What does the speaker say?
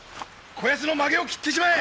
こやつのまげを切ってしまえ！